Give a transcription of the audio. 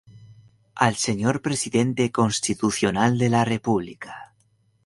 Al Señor Presidente Constitucional de la República.